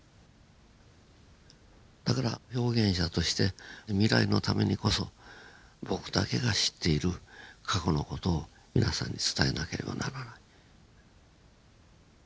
だから表現者として未来のためにこそ僕だけが知っている過去の事を皆さんに伝えなければならない。